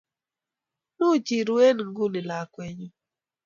Much iru eng nguni lakwenyu